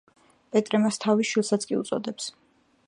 პეტრე მას თავის შვილსაც კი უწოდებს.